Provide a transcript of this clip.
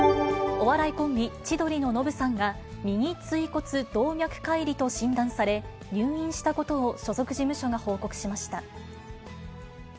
お笑いコンビ、千鳥のノブさんが、右椎骨動脈かい離と診断され、入院したことを所属事務所が報告しました。